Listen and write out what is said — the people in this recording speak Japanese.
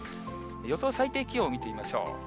予想最低気温、見てみましょう。